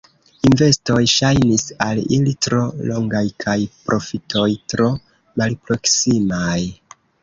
Investoj ŝajnis al ili tro longaj kaj profitoj tro malproksimaj.